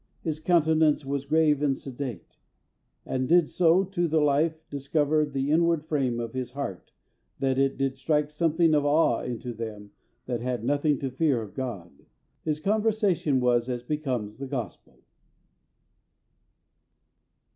His countenance was grave and sedate, and did so, to the life, discover the inward frame of his heart, that it did strike something of awe into them that had nothing of the fear of God.... His conversation was as becomes the Gospel."